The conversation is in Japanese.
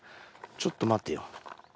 ちょっと待てよ。